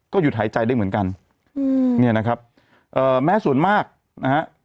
หยุดหายใจได้เหมือนกันอืมเนี่ยนะครับเอ่อแม้ส่วนมากนะฮะ